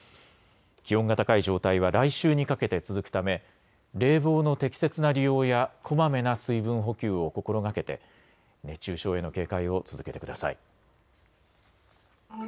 気温が高い状態は来週にかけて続くため冷房の適切な利用やこまめな水分補給を心がけて熱中症への警戒を続けてください。